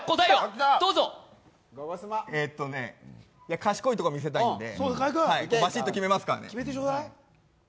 賢いところを見せたいんで、バシッと決めますからね。